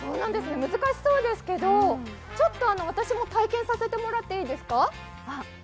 難しそうですけどちょっと私も体験させてもらっていいですか。